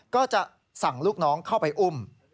ก็จะสั่งลูกน้องเข้าไปอุ้ม